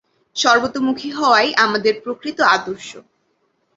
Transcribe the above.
সর্বতোমুখী হওয়াই আমাদের প্রকৃত আদর্শ।